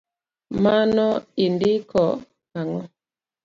Mano indiko ang’o?